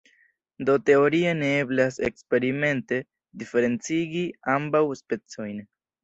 Do teorie ne eblas eksperimente diferencigi ambaŭ specojn.